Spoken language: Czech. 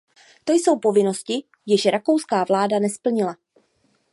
To jsou povinnosti, jež rakouská vláda nesplnila.